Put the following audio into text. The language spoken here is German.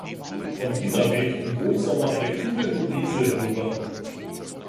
Von dieser weht im Hochsommer eine kühlende Brise herüber.